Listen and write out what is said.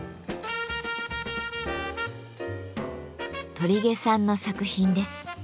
鳥毛さんの作品です。